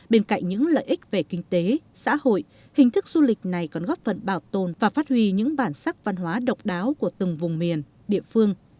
bên cạnh những lợi ích về kinh tế xã hội hình thức du lịch này còn góp phần bảo tồn và phát huy những bản sắc văn hóa độc đáo của từng vùng miền địa phương